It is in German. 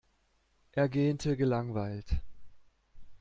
Er gähnte gelangweilt.